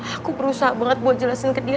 aku berusaha banget buat jelasin ke diri